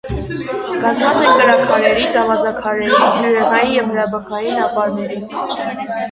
Կազմված են կրաքարերից, ավազաքարերից, բյուրեղային և հրաբխային ապարներից։